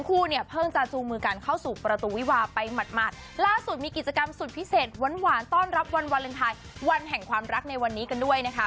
พิเศษวันหวานต้อนรับวันวาเลนไทยวันแห่งความรักในวันนี้กันด้วยนะคะ